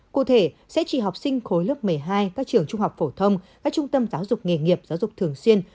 cụ thể sẽ chỉ học sinh khối lớp một mươi hai các trường trung học phổ thông các trung tâm giáo dục nghề nghiệp giáo dục thường xuyên